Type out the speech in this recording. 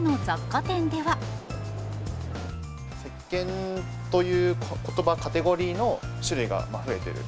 せっけんということば、カテゴリーの種類が増えている。